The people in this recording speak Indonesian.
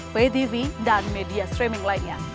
vtv dan media streaming lainnya